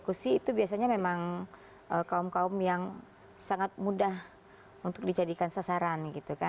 kursi itu biasanya memang kaum kaum yang sangat mudah untuk dijadikan sasaran